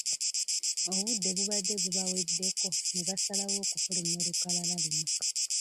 Obudde bubadde bubaweddeko ne basalawo okufulumya olukalala luno.